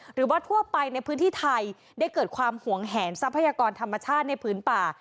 หรือว่าทั่วไปในพื้นที่ไทยได้เกิดความหวงแหนทรัพยากรธรรมชาติในพื้นป่า